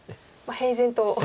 平然と。